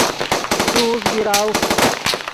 تو اوݰ بیراؤ